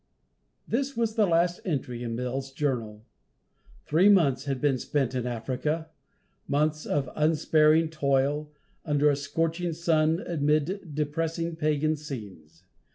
This is the last entry in Mills' journal. Three months had been spent in Africa; months of unsparing toil, under a scorching sun, amid depressing pagan scenes.